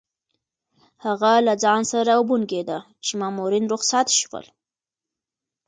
هغه له ځان سره وبونګېده چې مامورین رخصت شول.